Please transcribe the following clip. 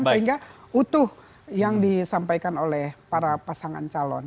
sehingga utuh yang disampaikan oleh para pasangan calon